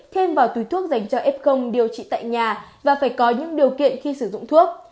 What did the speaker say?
thêm vào túi thuốc dành cho f điều trị tại nhà và phải có những điều kiện khi sử dụng thuốc